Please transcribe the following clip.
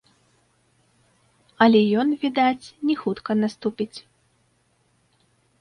Але ён, відаць, не хутка наступіць.